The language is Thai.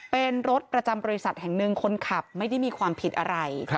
เป็นรถประจำบริษัทแห่งหนึ่งคนขับไม่ได้มีความผิดอะไร